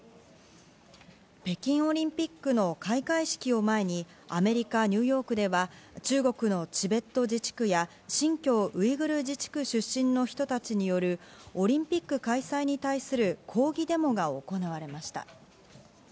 北京オリンピックの開会式を前にアメリカ・ニューヨークでは中国のチベット自治区や新疆ウイグル自治区出身の人たちによるオリンピック開催に対する抗議デモが行われました。